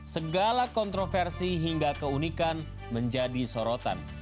segala kontroversi hingga keunikan menjadi sorotan